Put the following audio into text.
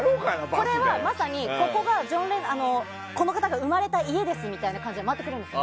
これはまさにこの方が生まれた家ですみたいな感じで回ってくるんです。